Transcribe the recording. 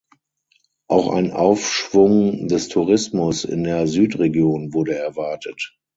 Auch ein Aufschwung des Tourismus in der Südregion wurde erwartet.